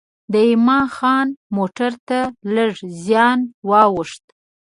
د یما خان موټر ته لږ زیان وا ووښت.